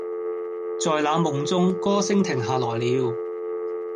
在那夢中，歌聲停下來了